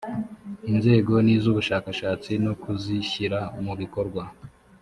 inzego n iz ubushakashatsi no kuzishyira mu bikorwa